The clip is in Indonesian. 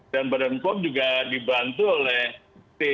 dan badan pom juga dibantu oleh tim komisinya